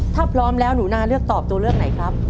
ถ้าพร้อมแล้วหนูนาเลือกตอบตัวเลือกไหนครับ